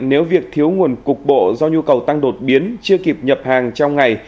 nếu việc thiếu nguồn cục bộ do nhu cầu tăng đột biến chưa kịp nhập hàng trong ngày